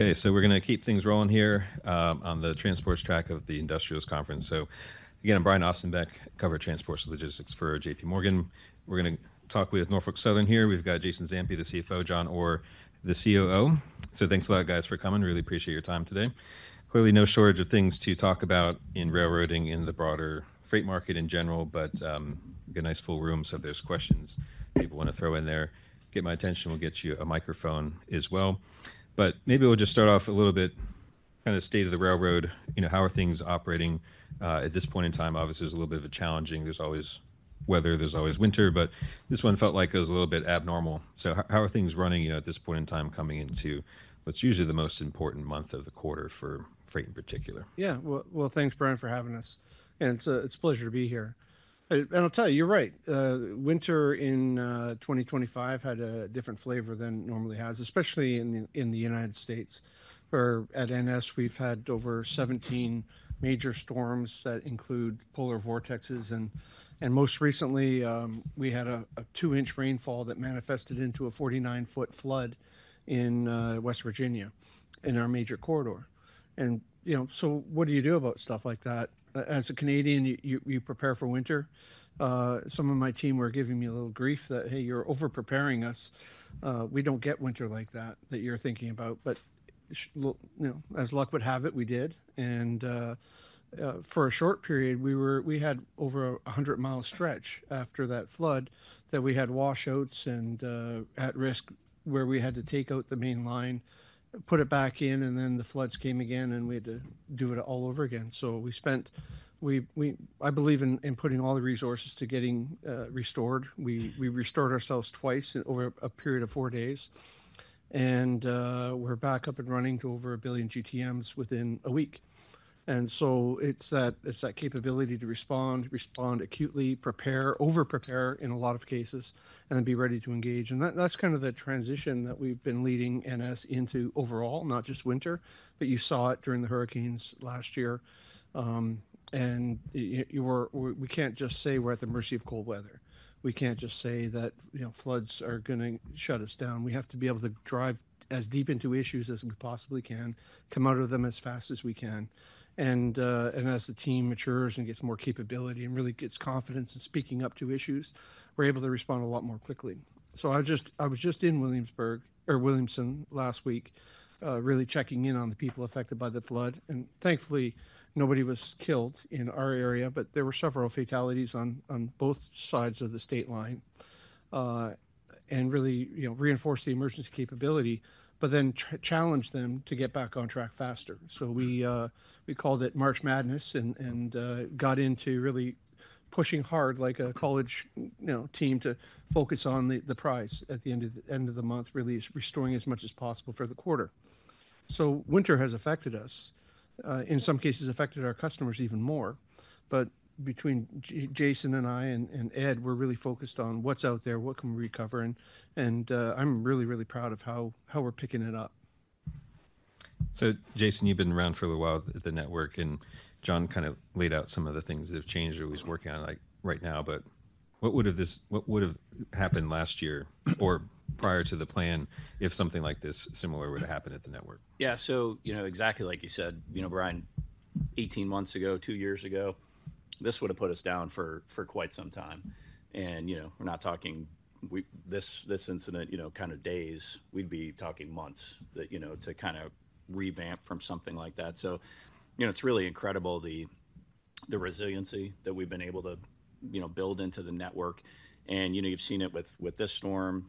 Okay, so we're going to keep things rolling here on the transports track of the Industrials Conference. Again, I'm Brian Ossenbeck, cover transports and logistics for J.P. Morgan. We're going to talk with Norfolk Southern here. We've got Jason Zampi, the CFO, John Orr, the COO. Thanks a lot, guys, for coming. Really appreciate your time today. Clearly, no shortage of things to talk about in railroading in the broader freight market in general, but we've got a nice full room, so if there's questions people want to throw in there, get my attention, we'll get you a microphone as well. Maybe we'll just start off a little bit kind of the state of the railroad, you know, how are things operating at this point in time? Obviously, there's a little bit of a challenging—there's always weather, there's always winter, but this one felt like it was a little bit abnormal. How are things running, you know, at this point in time coming into what's usually the most important month of the quarter for freight in particular? Yeah, thanks, Brian, for having us. It's a pleasure to be here. I'll tell you, you're right. Winter in 2025 had a different flavor than it normally has, especially in the United States. At NS, we've had over 17 major storms that include polar vortexes, and most recently, we had a two-inch rainfall that manifested into a 49-foot flood in West Virginia in our major corridor. You know, what do you do about stuff like that? As a Canadian, you prepare for winter. Some of my team were giving me a little grief that, "Hey, you're overpreparing us. We don't get winter like that that you're thinking about." You know, as luck would have it, we did. For a short period, we had over a 100 mi stretch after that flood that we had washouts and at-risk where we had to take out the main line, put it back in, and then the floods came again, and we had to do it all over again. We spent—I believe in putting all the resources to getting restored. We restored ourselves twice over a period of four days, and we're back up and running to over a billion GTMs within a week. It is that capability to respond, respond acutely, prepare, overprepare in a lot of cases, and be ready to engage. That is kind of the transition that we've been leading NS into overall, not just winter, but you saw it during the hurricanes last year. We can't just say we're at the mercy of cold weather. We can't just say that, you know, floods are going to shut us down. We have to be able to drive as deep into issues as we possibly can, come out of them as fast as we can. As the team matures and gets more capability and really gets confidence in speaking up to issues, we're able to respond a lot more quickly. I was just in Williamson last week, really checking in on the people affected by the flood. Thankfully, nobody was killed in our area, but there were several fatalities on both sides of the state line and really, you know, reinforced the emergency capability, but then challenged them to get back on track faster. We called it March Madness and got into really pushing hard like a college team to focus on the prize at the end of the month, really restoring as much as possible for the quarter. Winter has affected us, in some cases affected our customers even more. Between Jason and I and Ed, we're really focused on what's out there, what can we recover, and I'm really, really proud of how we're picking it up. Jason, you've been around for a little while at the network, and John kind of laid out some of the things that have changed or he's working on like right now, but what would have happened last year or prior to the plan if something like this similar would have happened at the network? Yeah, so, you know, exactly like you said, you know, Brian, 18 months ago, two years ago, this would have put us down for quite some time. You know, we're not talking this incident, you know, kind of days. We'd be talking months that, you know, to kind of revamp from something like that. You know, it's really incredible the resiliency that we've been able to, you know, build into the network. You know, you've seen it with this storm,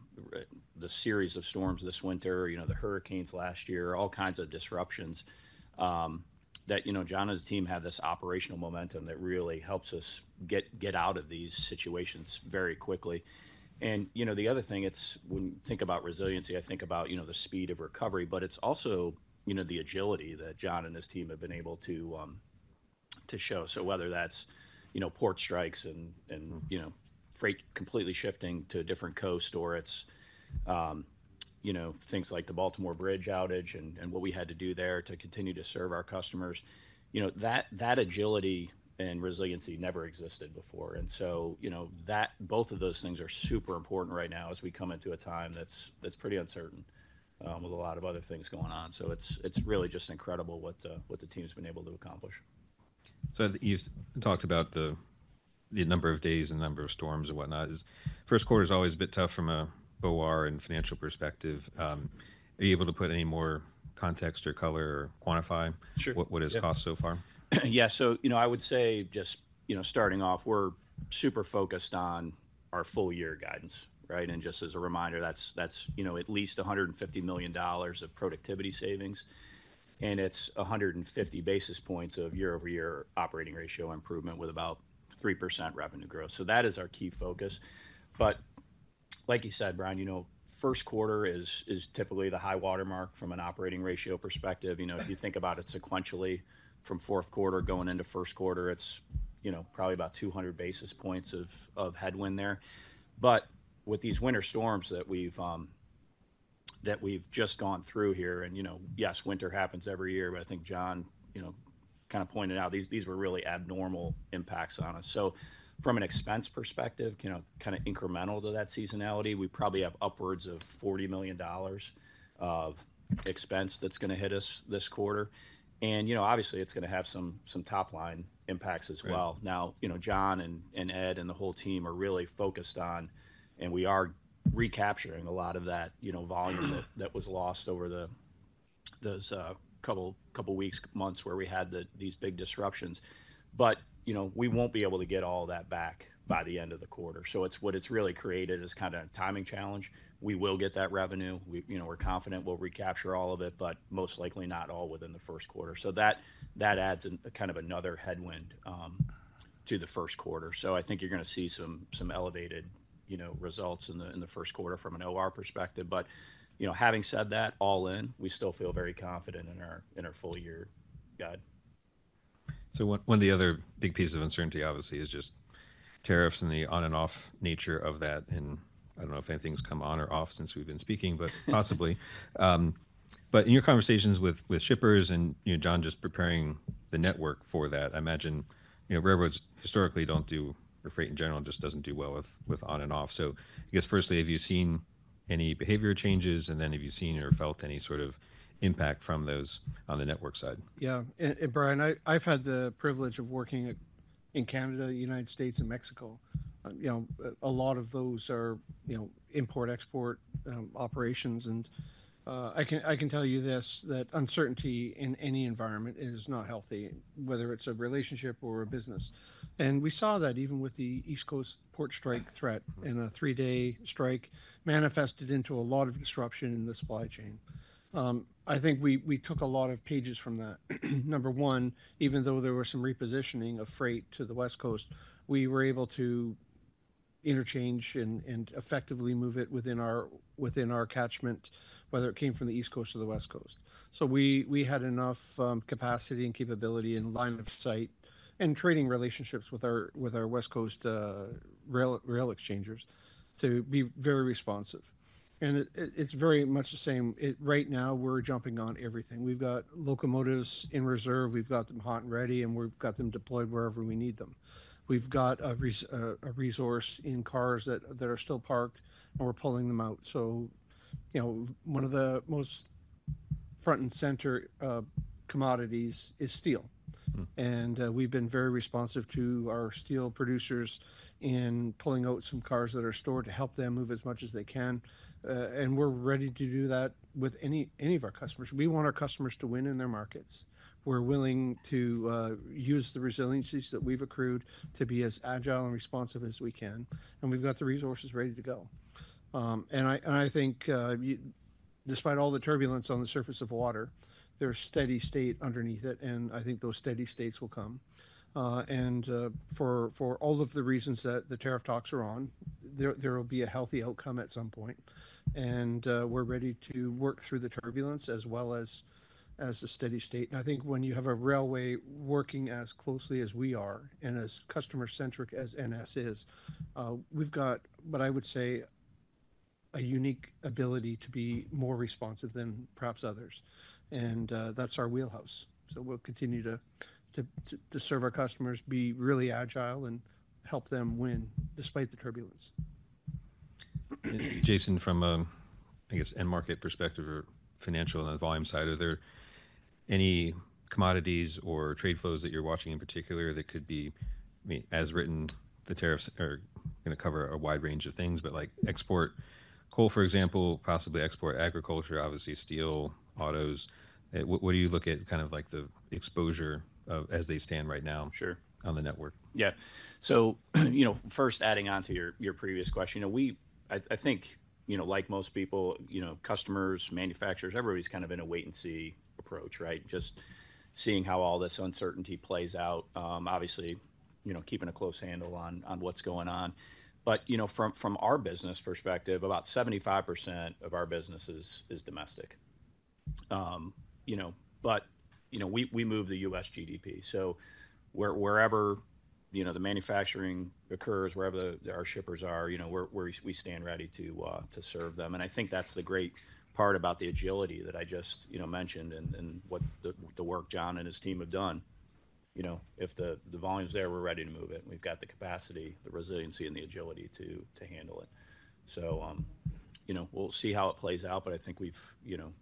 the series of storms this winter, the hurricanes last year, all kinds of disruptions that, you know, John and his team had this operational momentum that really helps us get out of these situations very quickly. You know, the other thing when you think about resiliency, I think about, you know, the speed of recovery, but it's also, you know, the agility that John and his team have been able to show. Whether that's, you know, port strikes and, you know, freight completely shifting to a different coast, or it's, you know, things like the Baltimore Bridge outage and what we had to do there to continue to serve our customers, you know, that agility and resiliency never existed before. Both of those things are super important right now as we come into a time that's pretty uncertain with a lot of other things going on. It's really just incredible what the team's been able to accomplish. You've talked about the number of days and the number of storms and whatnot. First quarter's always a bit tough from an OR and financial perspective. Are you able to put any more context or color or quantify what it's cost so far? Yeah, so, you know, I would say just, you know, starting off, we're super focused on our full-year guidance, right? And just as a reminder, that's, you know, at least $150 million of productivity savings. And it's 150 basis points of year-over-year operating ratio improvement with about 3% revenue growth. That is our key focus. Like you said, Brian, you know, first quarter is typically the high watermark from an operating ratio perspective. You know, if you think about it sequentially from fourth quarter going into first quarter, it's, you know, probably about 200 basis points of headwind there. With these winter storms that we've just gone through here, and, you know, yes, winter happens every year, but I think John, you know, kind of pointed out these were really abnormal impacts on us. From an expense perspective, you know, kind of incremental to that seasonality, we probably have upwards of $40 million of expense that's going to hit us this quarter. And, you know, obviously, it's going to have some top-line impacts as well. Now, you know, John and Ed and the whole team are really focused on, and we are recapturing a lot of that, you know, volume that was lost over those couple weeks, months where we had these big disruptions. But, you know, we won't be able to get all that back by the end of the quarter. What it's really created is kind of a timing challenge. We will get that revenue. You know, we're confident we'll recapture all of it, but most likely not all within the first quarter. That adds kind of another headwind to the first quarter. I think you're going to see some elevated, you know, results in the first quarter from an OR perspective. But, you know, having said that, all in, we still feel very confident in our full-year guide. One of the other big pieces of uncertainty, obviously, is just tariffs and the on-and-off nature of that. I do not know if anything's come on or off since we've been speaking, but possibly. In your conversations with shippers and, you know, John just preparing the network for that, I imagine, you know, railroads historically do not do, or freight in general just does not do well with on-and-off. I guess firstly, have you seen any behavior changes? Have you seen or felt any sort of impact from those on the network side? Yeah. Brian, I've had the privilege of working in Canada, the United States, and Mexico. You know, a lot of those are, you know, import-export operations. I can tell you this, that uncertainty in any environment is not healthy, whether it's a relationship or a business. We saw that even with the East Coast port strike threat and a three-day strike manifested into a lot of disruption in the supply chain. I think we took a lot of pages from that. Number one, even though there was some repositioning of freight to the West Coast, we were able to interchange and effectively move it within our catchment, whether it came from the East Coast or the West Coast. We had enough capacity and capability and line of sight and trading relationships with our West Coast rail exchangers to be very responsive. It is very much the same. Right now, we're jumping on everything. We've got locomotives in reserve. We've got them hot and ready, and we've got them deployed wherever we need them. We've got a resource in cars that are still parked, and we're pulling them out. You know, one of the most front-and-center commodities is steel. We've been very responsive to our steel producers in pulling out some cars that are stored to help them move as much as they can. We're ready to do that with any of our customers. We want our customers to win in their markets. We're willing to use the resiliencies that we've accrued to be as agile and responsive as we can. We've got the resources ready to go. I think despite all the turbulence on the surface of water, there's steady state underneath it, and I think those steady states will come. For all of the reasons that the tariff talks are on, there will be a healthy outcome at some point. We're ready to work through the turbulence as well as the steady state. I think when you have a railway working as closely as we are and as customer-centric as NS is, we've got, what I would say, a unique ability to be more responsive than perhaps others. That's our wheelhouse. We'll continue to serve our customers, be really agile, and help them win despite the turbulence. Jason, from a, I guess, end-market perspective or financial and volume side, are there any commodities or trade flows that you're watching in particular that could be, as written, the tariffs are going to cover a wide range of things, but like export coal, for example, possibly export agriculture, obviously steel, autos. What do you look at kind of like the exposure as they stand right now on the network? Yeah. You know, first, adding on to your previous question, I think, you know, like most people, you know, customers, manufacturers, everybody's kind of in a wait-and-see approach, right? Just seeing how all this uncertainty plays out, obviously, you know, keeping a close handle on what's going on. You know, from our business perspective, about 75% of our business is domestic. You know, we move the U.S. GDP. So wherever, you know, the manufacturing occurs, wherever our shippers are, you know, we stand ready to serve them. I think that's the great part about the agility that I just, you know, mentioned and what the work John and his team have done. You know, if the volume's there, we're ready to move it. We've got the capacity, the resiliency, and the agility to handle it. You know, we'll see how it plays out, but I think we've, you know,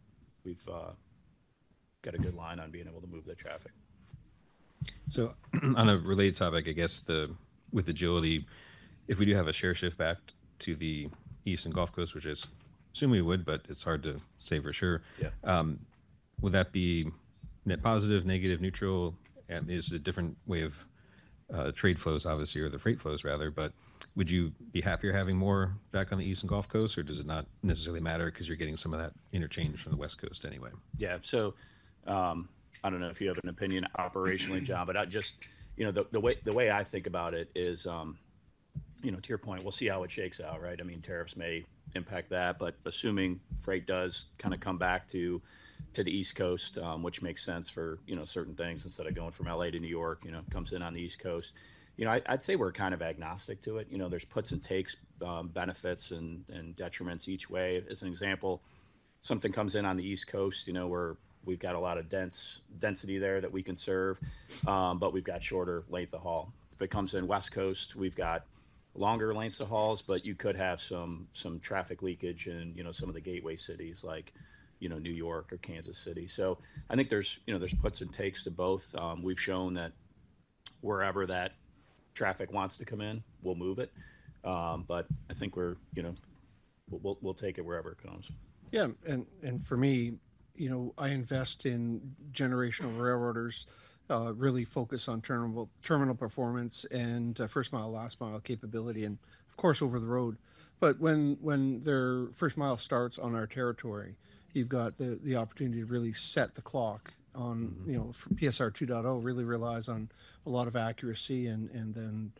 we've got a good line on being able to move that traffic. On a related topic, I guess with agility, if we do have a share shift back to the East and Gulf Coast, which I assume we would, but it's hard to say for sure, would that be net positive, negative, neutral? Is it a different way of trade flows, obviously, or the freight flows rather, but would you be happier having more back on the East and Gulf Coast, or does it not necessarily matter because you're getting some of that interchange from the West Coast anyway? Yeah. I don't know if you have an opinion operationally, John, but just, you know, the way I think about it is, you know, to your point, we'll see how it shakes out, right? I mean, tariffs may impact that, but assuming freight does kind of come back to the East Coast, which makes sense for, you know, certain things instead of going from LA to New York, you know, comes in on the East Coast. You know, I'd say we're kind of agnostic to it. You know, there's puts and takes, benefits and detriments each way. As an example, something comes in on the East Coast, you know, where we've got a lot of density there that we can serve, but we've got shorter length of haul. If it comes in West Coast, we've got longer lengths of hauls, but you could have some traffic leakage in, you know, some of the gateway cities like, you know, New York or Kansas City. I think there's, you know, there's puts and takes to both. We've shown that wherever that traffic wants to come in, we'll move it. I think we're, you know, we'll take it wherever it comes. Yeah. And for me, you know, I invest in generational railroaders, really focus on terminal performance and first mile, last mile capability, and of course over the road. When their first mile starts on our territory, you've got the opportunity to really set the clock on, you know, PSR 2.0 really relies on a lot of accuracy and then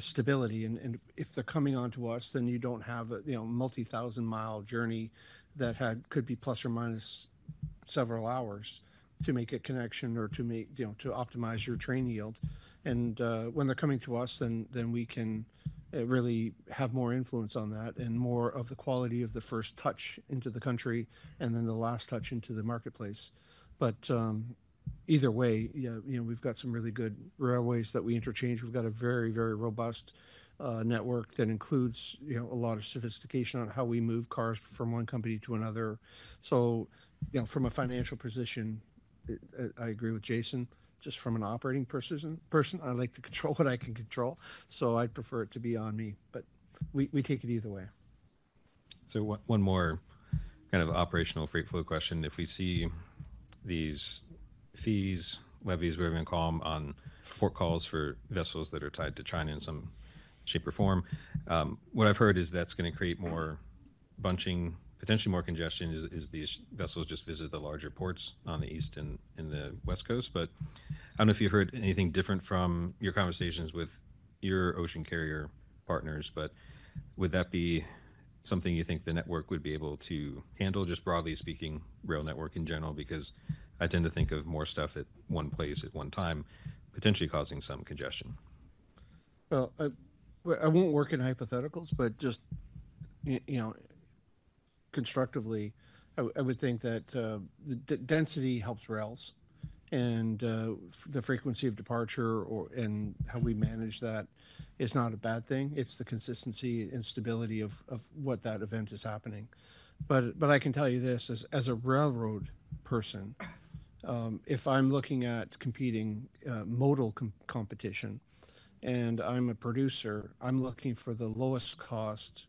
stability. If they're coming on to us, then you don't have a, you know, multi-thousand-mile journey that could be plus or minus several hours to make a connection or to make, you know, to optimize your train yield. When they're coming to us, then we can really have more influence on that and more of the quality of the first touch into the country and then the last touch into the marketplace. Either way, you know, we've got some really good railways that we interchange. We've got a very, very robust network that includes, you know, a lot of sophistication on how we move cars from one company to another. You know, from a financial position, I agree with Jason. Just from an operating person, I like to control what I can control. I'd prefer it to be on me, but we take it either way. One more kind of operational freight flow question. If we see these fees, levies, whatever you want to call them, on port calls for vessels that are tied to China in some shape or form, what I've heard is that's going to create more bunching, potentially more congestion as these vessels just visit the larger ports on the East and the West Coast. I don't know if you've heard anything different from your conversations with your ocean carrier partners, but would that be something you think the network would be able to handle, just broadly speaking, rail network in general? I tend to think of more stuff at one place at one time, potentially causing some congestion. I will not work in hypotheticals, but just, you know, constructively, I would think that density helps rails. The frequency of departure and how we manage that is not a bad thing. It is the consistency and stability of what that event is happening. I can tell you this as a railroad person, if I am looking at competing modal competition and I am a producer, I am looking for the lowest cost,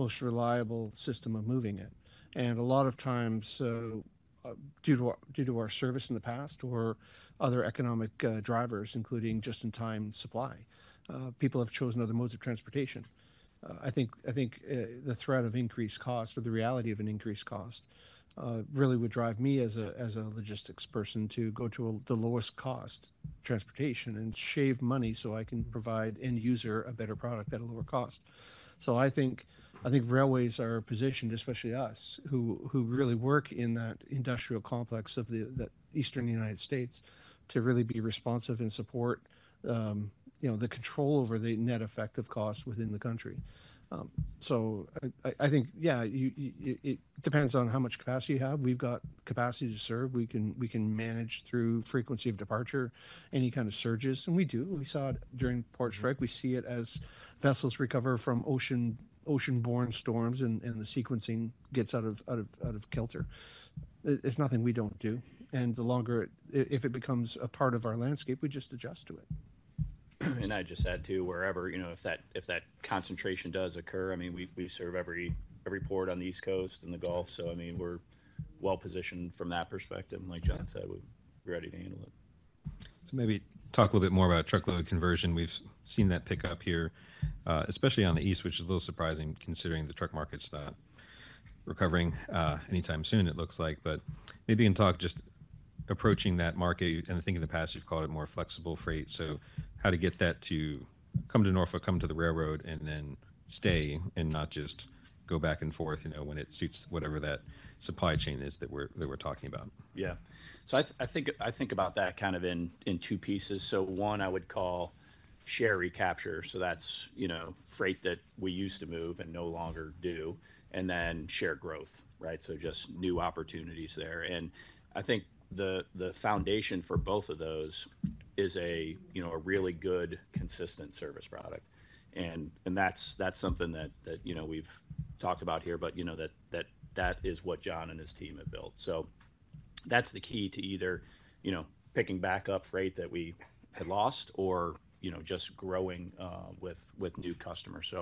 most reliable system of moving it. A lot of times, due to our service in the past or other economic drivers, including just-in-time supply, people have chosen other modes of transportation. I think the threat of increased cost or the reality of an increased cost really would drive me as a logistics person to go to the lowest cost transportation and shave money so I can provide end user a better product at a lower cost. I think railways are positioned, especially us who really work in that industrial complex of the Eastern United States, to really be responsive and support, you know, the control over the net effect of cost within the country. I think, yeah, it depends on how much capacity you have. We've got capacity to serve. We can manage through frequency of departure, any kind of surges. We do. We saw it during port strike. We see it as vessels recover from ocean-borne storms and the sequencing gets out of kilter. It's nothing we don't do. The longer, if it becomes a part of our landscape, we just adjust to it. I would just add too, wherever, you know, if that concentration does occur, I mean, we serve every port on the East Coast and the Gulf. I mean, we are well positioned from that perspective. Like John said, we are ready to handle it. Maybe talk a little bit more about truckload conversion. We've seen that pick up here, especially on the East, which is a little surprising considering the truck market's not recovering anytime soon, it looks like. Maybe you can talk just approaching that market. I think in the past, you've called it more flexible freight. How to get that to come to Norfolk, come to the railroad, and then stay and not just go back and forth, you know, when it suits whatever that supply chain is that we're talking about. Yeah. I think about that kind of in two pieces. One, I would call share recapture. That is, you know, freight that we used to move and no longer do. Then share growth, right? Just new opportunities there. I think the foundation for both of those is a, you know, a really good, consistent service product. That is something that, you know, we've talked about here, but, you know, that is what John and his team have built. That is the key to either, you know, picking back up freight that we had lost or, you know, just growing with new customers.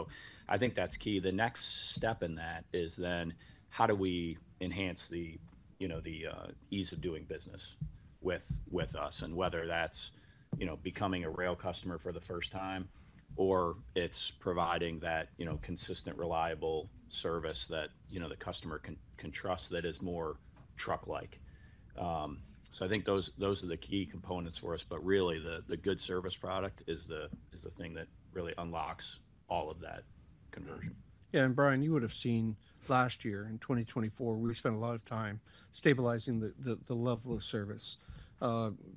I think that's key. The next step in that is then how do we enhance the, you know, the ease of doing business with us and whether that's, you know, becoming a rail customer for the first time or it's providing that, you know, consistent, reliable service that, you know, the customer can trust that is more truck-like. I think those are the key components for us, but really the good service product is the thing that really unlocks all of that conversion. Yeah. Brian, you would have seen last year in 2024, we spent a lot of time stabilizing the level of service,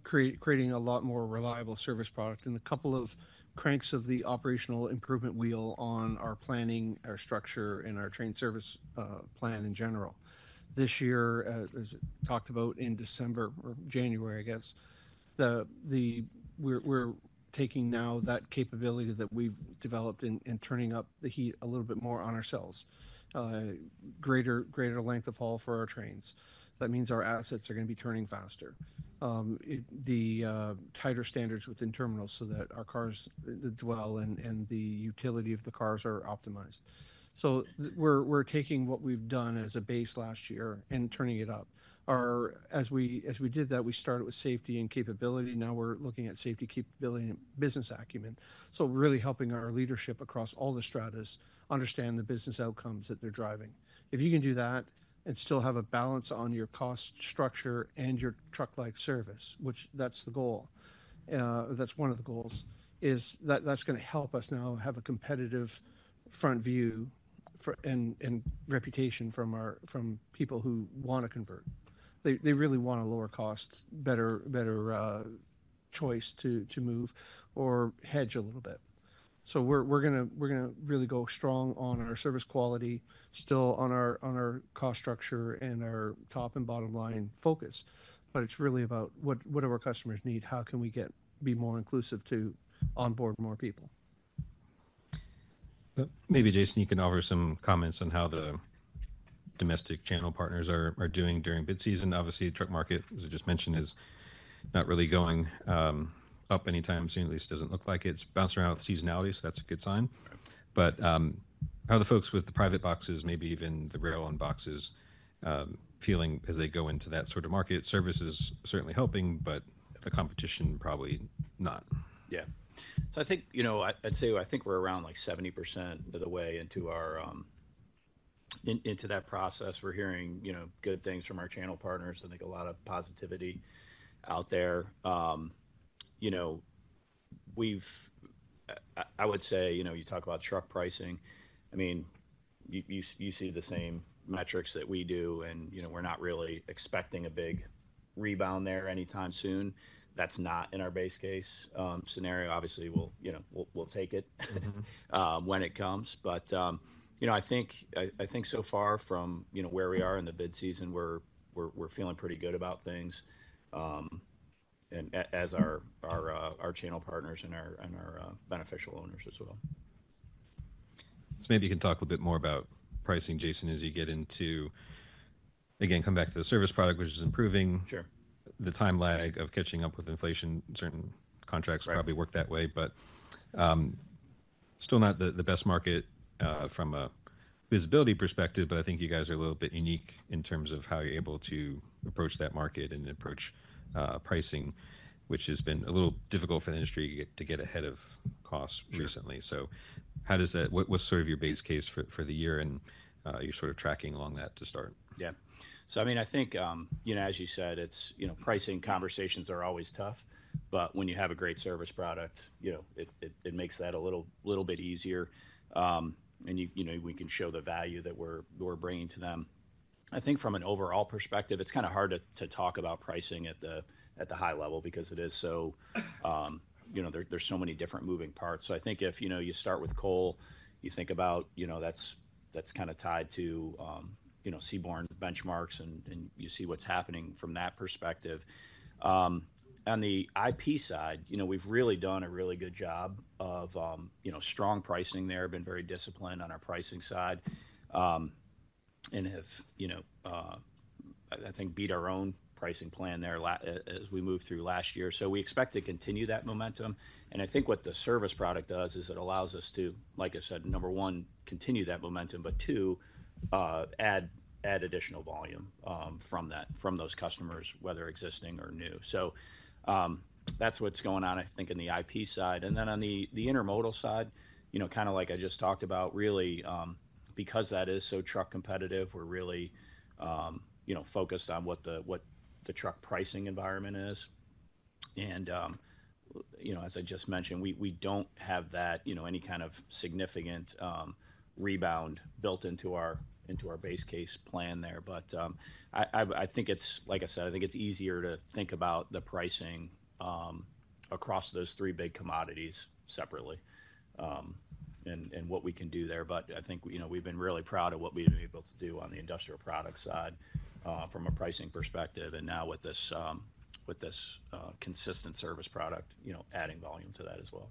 creating a lot more reliable service product and a couple of cranks of the operational improvement wheel on our planning, our structure, and our train service plan in general. This year, as talked about in December or January, I guess, we're taking now that capability that we've developed and turning up the heat a little bit more on ourselves, greater length of haul for our trains. That means our assets are going to be turning faster, the tighter standards within terminals so that our cars dwell and the utility of the cars are optimized. We are taking what we've done as a base last year and turning it up. As we did that, we started with safety and capability. Now we're looking at safety, capability, and business acumen. Really helping our leadership across all the stratas understand the business outcomes that they're driving. If you can do that and still have a balance on your cost structure and your truck-like service, which that's the goal, that's one of the goals, is that's going to help us now have a competitive front view and reputation from people who want to convert. They really want a lower cost, better choice to move or hedge a little bit. We're going to really go strong on our service quality, still on our cost structure and our top and bottom line focus, but it's really about what do our customers need? How can we be more inclusive to onboard more people? Maybe Jason, you can offer some comments on how the domestic channel partners are doing during bid season. Obviously, the truck market, as I just mentioned, is not really going up anytime soon. At least it does not look like it is bouncing around with seasonality, so that is a good sign. How are the folks with the private boxes, maybe even the rail-on boxes, feeling as they go into that sort of market? Service is certainly helping, but the competition probably not. Yeah. I think, you know, I'd say I think we're around like 70% of the way into that process. We're hearing, you know, good things from our channel partners. I think a lot of positivity out there. You know, I would say, you know, you talk about truck pricing. I mean, you see the same metrics that we do, and, you know, we're not really expecting a big rebound there anytime soon. That's not in our base case scenario. Obviously, we'll take it when it comes. You know, I think so far from, you know, where we are in the bid season, we're feeling pretty good about things as our channel partners and our beneficial owners as well. Maybe you can talk a little bit more about pricing, Jason, as you get into, again, come back to the service product, which is improving. Sure. The time lag of catching up with inflation. Certain contracts probably work that way, but still not the best market from a visibility perspective. I think you guys are a little bit unique in terms of how you're able to approach that market and approach pricing, which has been a little difficult for the industry to get ahead of cost recently. What is sort of your base case for the year and your sort of tracking along that to start? Yeah. I mean, I think, you know, as you said, it's, you know, pricing conversations are always tough, but when you have a great service product, you know, it makes that a little bit easier. You know, we can show the value that we're bringing to them. I think from an overall perspective, it's kind of hard to talk about pricing at the high level because it is so, you know, there's so many different moving parts. I think if, you know, you start with coal, you think about, you know, that's kind of tied to, you know, seaborne benchmarks and you see what's happening from that perspective. On the IP side, you know, we've really done a really good job of, you know, strong pricing there, been very disciplined on our pricing side, and have, you know, I think beat our own pricing plan there as we moved through last year. We expect to continue that momentum. I think what the service product does is it allows us to, like I said, number one, continue that momentum, but two, add additional volume from those customers, whether existing or new. That is what's going on, I think, in the IP side. On the intermodal side, you know, kind of like I just talked about, really, because that is so truck competitive, we're really, you know, focused on what the truck pricing environment is. As I just mentioned, we do not have any kind of significant rebound built into our base case plan there. I think it is, like I said, easier to think about the pricing across those three big commodities separately and what we can do there. I think we have been really proud of what we have been able to do on the industrial product side from a pricing perspective. Now, with this consistent service product, we are adding volume to that as well.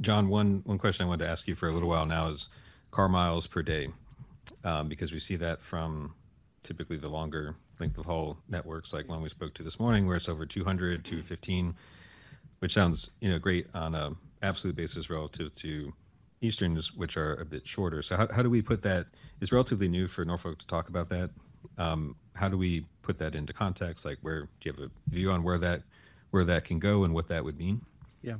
John, one question I wanted to ask you for a little while now is car miles per day because we see that from typically the longer length of haul networks, like one we spoke to this morning where it's over 200 to 215, which sounds, you know, great on an absolute basis relative to Easterns, which are a bit shorter. How do we put that? It's relatively new for Norfolk to talk about that. How do we put that into context? Like where do you have a view on where that can go and what that would mean? Yeah.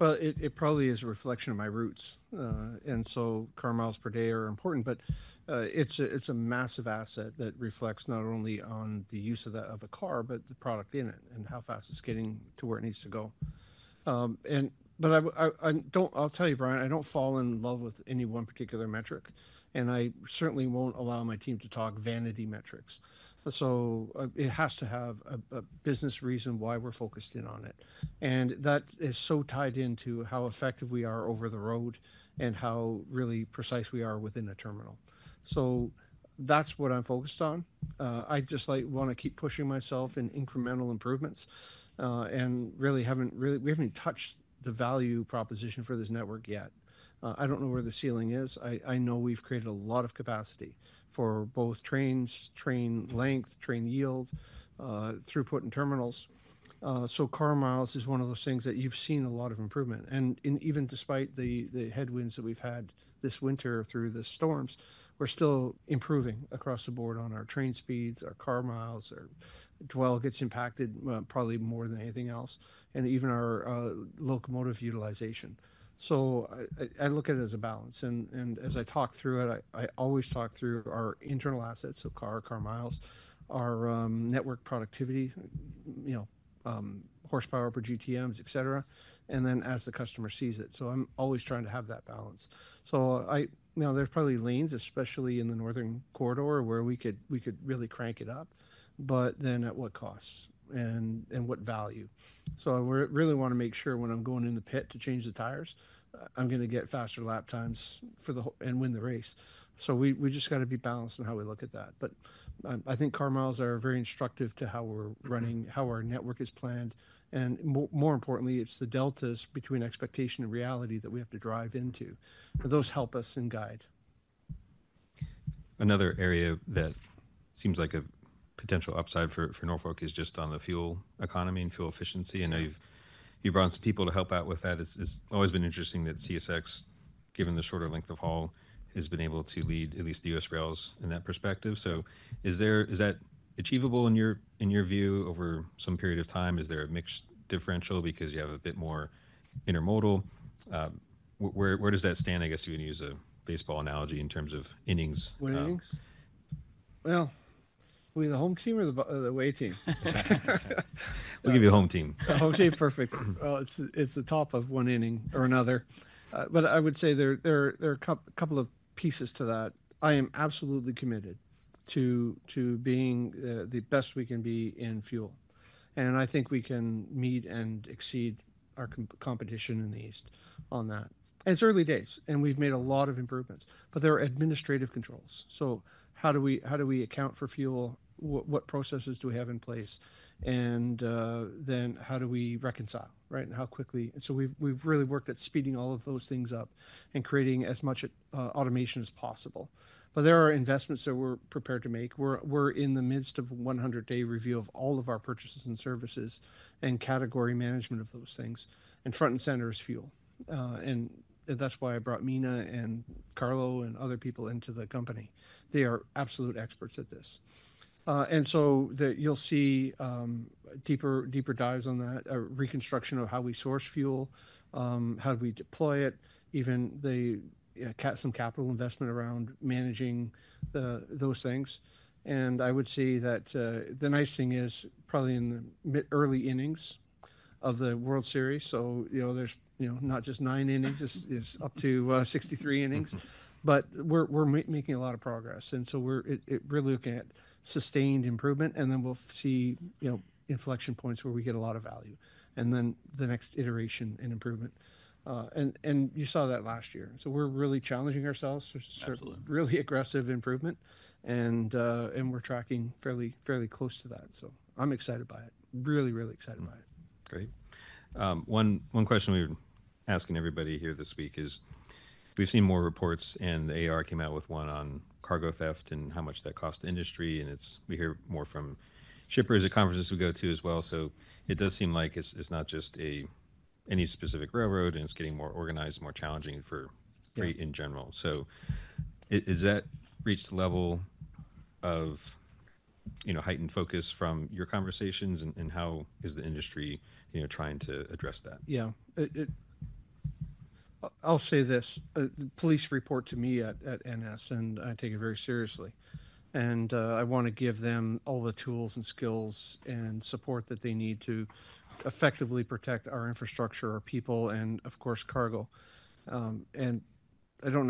It probably is a reflection of my roots. Car miles per day are important, but it's a massive asset that reflects not only on the use of a car, but the product in it and how fast it's getting to where it needs to go. I'll tell you, Brian, I don't fall in love with any one particular metric. I certainly won't allow my team to talk vanity metrics. It has to have a business reason why we're focused in on it. That is so tied into how effective we are over the road and how really precise we are within a terminal. That's what I'm focused on. I just want to keep pushing myself and incremental improvements. We haven't touched the value proposition for this network yet. I don't know where the ceiling is. I know we've created a lot of capacity for both trains, train length, train yield, throughput, and terminals. Car miles is one of those things that you've seen a lot of improvement. Even despite the headwinds that we've had this winter through the storms, we're still improving across the board on our train speeds, our car miles, our dwell gets impacted probably more than anything else, and even our locomotive utilization. I look at it as a balance. As I talk through it, I always talk through our internal assets of car, car miles, our network productivity, you know, horsepower per GTMs, et cetera, and then as the customer sees it. I'm always trying to have that balance. Now there's probably lanes, especially in the northern corridor, where we could really crank it up, but then at what cost and what value. I really want to make sure when I'm going in the pit to change the tires, I'm going to get faster lap times and win the race. We just got to be balanced in how we look at that. I think car miles are very instructive to how we're running, how our network is planned. More importantly, it's the deltas between expectation and reality that we have to drive into. Those help us and guide. Another area that seems like a potential upside for Norfolk is just on the fuel economy and fuel efficiency. I know you've brought in some people to help out with that. It's always been interesting that CSX, given the shorter length of haul, has been able to lead at least the U.S. rails in that perspective. Is that achievable in your view over some period of time? Is there a mixed differential because you have a bit more intermodal? Where does that stand? I guess you can use a baseball analogy in terms of innings. What innings? We're the home team or the away team? We'll give you the home team. The home team, perfect. It is the top of one inning or another. I would say there are a couple of pieces to that. I am absolutely committed to being the best we can be in fuel. I think we can meet and exceed our competition in the East on that. It is early days, and we have made a lot of improvements, but there are administrative controls. How do we account for fuel? What processes do we have in place? How do we reconcile, right? How quickly? We have really worked at speeding all of those things up and creating as much automation as possible. There are investments that we are prepared to make. We are in the midst of a 100-day review of all of our purchases and services and category management of those things. Front and center is fuel. That is why I brought Mina and Carlo and other people into the company. They are absolute experts at this. You will see deeper dives on that, a reconstruction of how we source fuel, how we deploy it, even some capital investment around managing those things. I would say that the nice thing is probably in the early innings of the World Series. You know, there is, you know, not just nine innings, it is up to 63 innings, but we are making a lot of progress. We are really looking at sustained improvement, and then we will see, you know, inflection points where we get a lot of value and then the next iteration and improvement. You saw that last year. We are really challenging ourselves. Absolutely. Really aggressive improvement, and we're tracking fairly close to that. I'm excited by it. Really, really excited by it. Great. One question we're asking everybody here this week is we've seen more reports, and the AAR came out with one on cargo theft and how much that costs the industry. And we hear more from shippers at conferences we go to as well. It does seem like it's not just any specific railroad, and it's getting more organized, more challenging for freight in general. Has that reached a level of, you know, heightened focus from your conversations, and how is the industry, you know, trying to address that? Yeah. I'll say this. Police report to me at NS, and I take it very seriously. I want to give them all the tools and skills and support that they need to effectively protect our infrastructure, our people, and of course, cargo. I do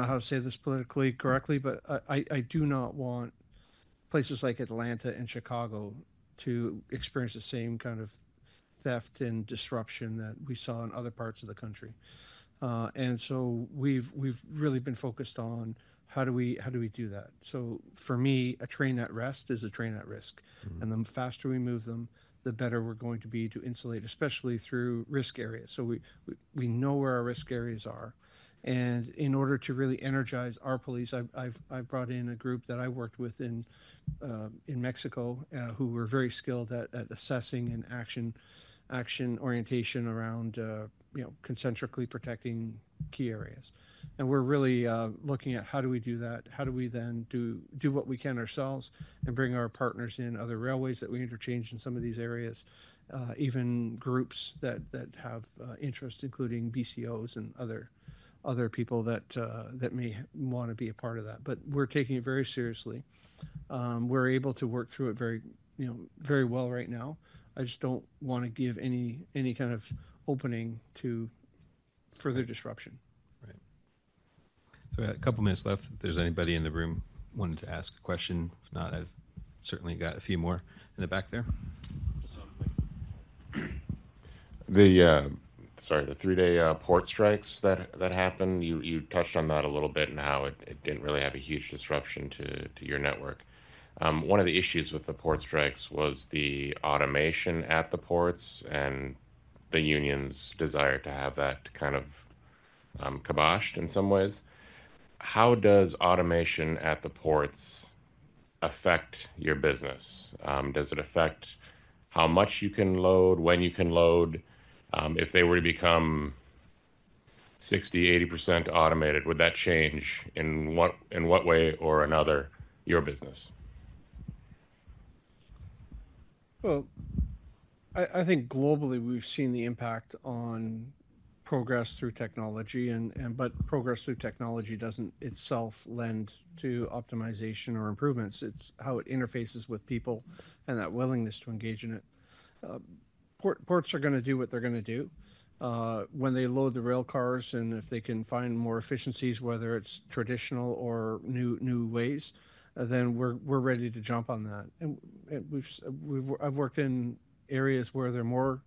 not want places like Atlanta and Chicago to experience the same kind of theft and disruption that we saw in other parts of the country. We have really been focused on how do we do that. For me, a train at rest is a train at risk. The faster we move them, the better we are going to be to insulate, especially through risk areas. We know where our risk areas are. In order to really energize our police, I've brought in a group that I worked with in Mexico who were very skilled at assessing and action orientation around, you know, concentrically protecting key areas. We're really looking at how do we do that. How do we then do what we can ourselves and bring our partners in other railways that we interchange in some of these areas, even groups that have interest, including BCOs and other people that may want to be a part of that. We're taking it very seriously. We're able to work through it very well right now. I just don't want to give any kind of opening to further disruption. Right. We have a couple of minutes left. If there's anybody in the room who wanted to ask a question. If not, I've certainly got a few more in the back there. The three-day port strikes that happened, you touched on that a little bit and how it didn't really have a huge disruption to your network. One of the issues with the port strikes was the automation at the ports and the union's desire to have that kind of kiboshed in some ways. How does automation at the ports affect your business? Does it affect how much you can load, when you can load? If they were to become 60-80% automated, would that change in what way or another your business? I think globally we've seen the impact on progress through technology, but progress through technology doesn't itself lend to optimization or improvements. It's how it interfaces with people and that willingness to engage in it. Ports are going to do what they're going to do. When they load the rail cars and if they can find more efficiencies, whether it's traditional or new ways, then we're ready to jump on that. I've worked in areas where they're more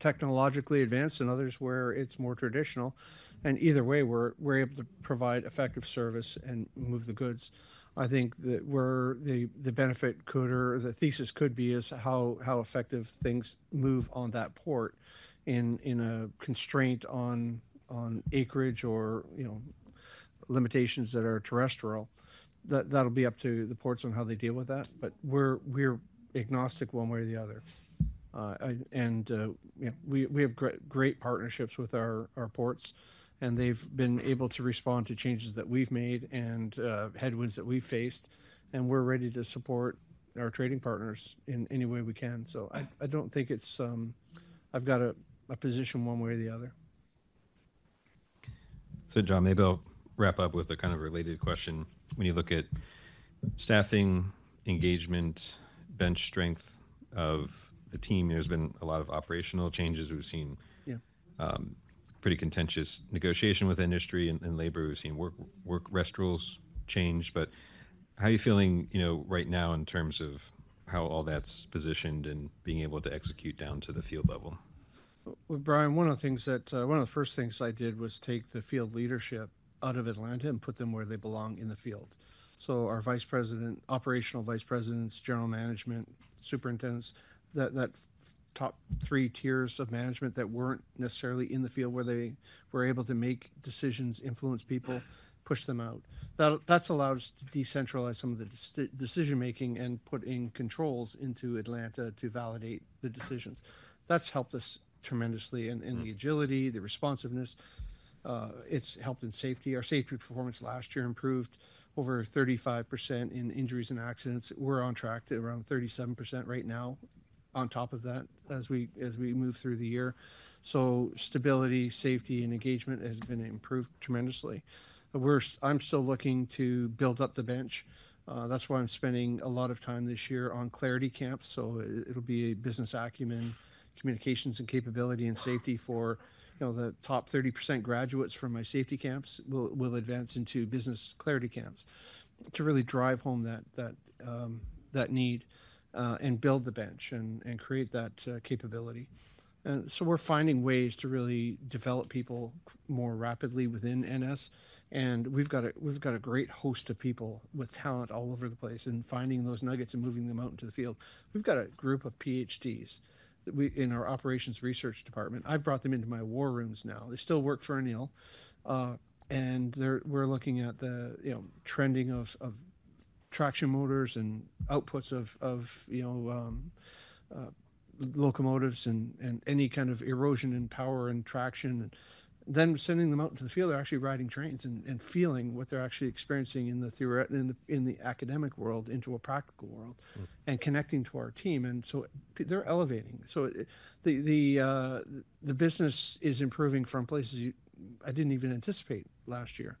technologically advanced and others where it's more traditional. Either way, we're able to provide effective service and move the goods. I think that where the benefit could or the thesis could be is how effective things move on that port in a constraint on acreage or, you know, limitations that are terrestrial. That'll be up to the ports on how they deal with that, but we're agnostic one way or the other. We have great partnerships with our ports, and they've been able to respond to changes that we've made and headwinds that we've faced. We're ready to support our trading partners in any way we can. I don't think I've got a position one way or the other. John, maybe I'll wrap up with a kind of related question. When you look at staffing, engagement, bench strength of the team, there's been a lot of operational changes. We've seen pretty contentious negotiation with industry and labor. We've seen work rest rules change. How are you feeling, you know, right now in terms of how all that's positioned and being able to execute down to the field level? Brian, one of the things that one of the first things I did was take the field leadership out of Atlanta and put them where they belong in the field. Our Vice President, operational vice presidents, general management, superintendents, that top three tiers of management that were not necessarily in the field where they were able to make decisions, influence people, push them out. That has allowed us to decentralize some of the decision-making and put in controls into Atlanta to validate the decisions. That has helped us tremendously in the agility, the responsiveness. It has helped in safety. Our safety performance last year improved over 35% in injuries and accidents. We are on track to around 37% right now on top of that as we move through the year. Stability, safety, and engagement has been improved tremendously. I am still looking to build up the bench. That's why I'm spending a lot of time this year on clarity camps. It will be a business acumen, communications, and capability and safety for, you know, the top 30% graduates from my safety camps will advance into business clarity camps to really drive home that need and build the bench and create that capability. We are finding ways to really develop people more rapidly within NS. We have got a great host of people with talent all over the place and finding those nuggets and moving them out into the field. We have got a group of PhDs in our operations research department. I have brought them into my war rooms now. They still work for Anil. We are looking at the, you know, trending of traction motors and outputs of, you know, locomotives and any kind of erosion in power and traction. Sending them out into the field, they're actually riding trains and feeling what they're actually experiencing in the academic world into a practical world and connecting to our team. They're elevating. The business is improving from places I didn't even anticipate last year.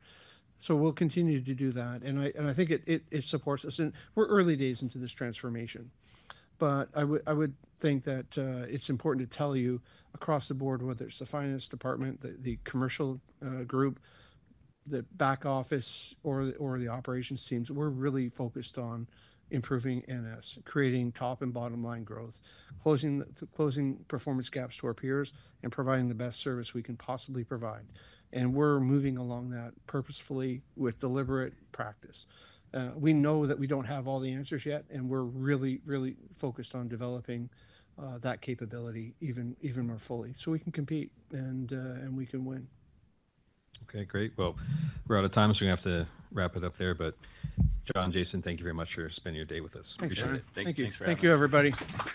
We will continue to do that. I think it supports us. We're early days into this transformation. I would think that it's important to tell you across the board, whether it's the finance department, the commercial group, the back office, or the operations teams, we're really focused on improving NS, creating top and bottom line growth, closing performance gaps to our peers, and providing the best service we can possibly provide. We're moving along that purposefully with deliberate practice. We know that we do not have all the answers yet, and we are really, really focused on developing that capability even more fully so we can compete and we can win. Okay, great. We're out of time, so we're going to have to wrap it up there. John, Jason, thank you very much for spending your day with us. Thanks, John. Appreciate it. Thank you, everybody.